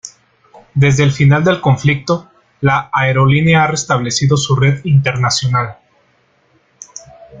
Desde el final del conflicto, la aerolínea ha restablecido su red internacional.